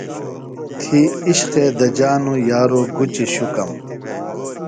تھی عشقے دجانوۡ یارو گُچیۡ شُکم۔